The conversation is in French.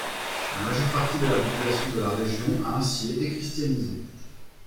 La majeure partie de la population de la région a ainsi été christianisée.